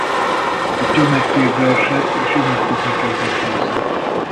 A tömeg térdre esett és imádkozni kezdett hozzá.